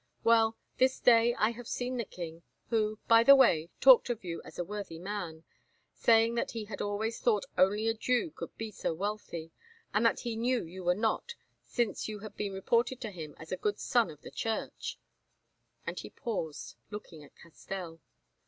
Well, this day I have seen the King, who, by the way, talked of you as a worthy man, saying that he had always thought only a Jew could be so wealthy, and that he knew you were not, since you had been reported to him as a good son of the Church," and he paused, looking at Castell.